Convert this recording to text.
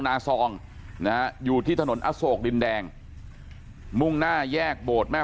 อซองนะฮะอยู่ที่ถนนอโศกดินแดงมุ่งหน้าแยกโบสถ์แม่